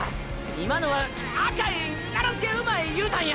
今のは「赤い奈良漬けうまい」いうたんや！！